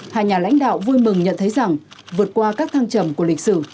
hai nhà lãnh đạo vui mừng nhận thấy rằng vượt qua các thăng trầm của lịch sử